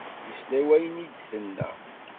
Yesla i wayen i d-tenna.